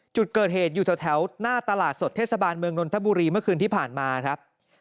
จุดเกิดเหตุอยู่แถวหน้าตลาดสดเทศบาลเมืองนนทบุรีเมื่อคืนที่ผ่านมาครับ